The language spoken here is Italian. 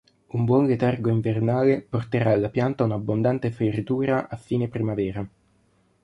Un buon letargo invernale porterà alla pianta una abbondante fioritura a fine primavera.